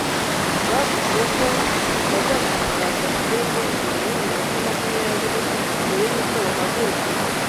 bavuze ko bazatangaza indege mbere yiminota makumyabiri mbere yuko bahaguruka